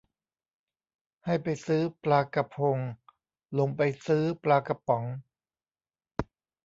ให้ไปซื้อปลากะพง หลงไปซื้อปลากระป๋อง